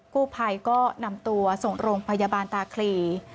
กู้ภัยก็นำตัวส่งโรงพยาบาลตาคลี